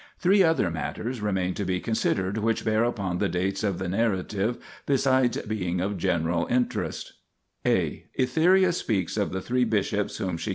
Three other matters remain to be considered which bear upon the date of the narrative besides being of general interest : (a) Etheria speaks of the three bishops whom she 1 Valerius, chap.